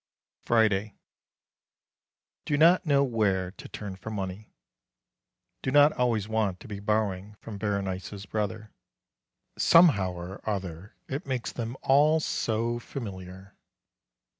Friday. Do not know where to turn for money. Do not always want to be borrowing from Berenice's brother. Somehow or other it makes them all so familiar.